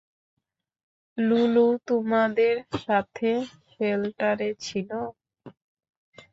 লুলুও তোমাদের সাথে শেল্টারে ছিল।